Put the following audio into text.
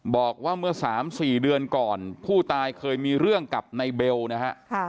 บอกว่าเมื่อ๓๔เดือนก่อนผู้ตายเคยมีเรื่องกับในเบลนะฮะ